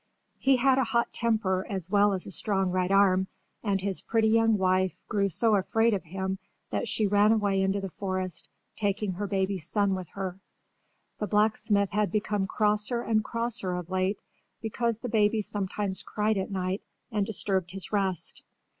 He had a hot temper as well as a strong right arm and his pretty young wife grew so afraid of him that she ran away into the forest, taking her baby son with her. The blacksmith had become crosser and crosser of late because the baby sometimes cried at night and disturbed his rest.